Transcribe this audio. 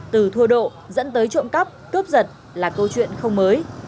từ thua độ dẫn tới trộm cắp cướp giật là câu chuyện không mới